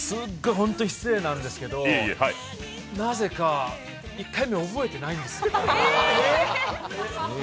本当に失礼なんですけどなぜか、１回目覚えてないんですよ。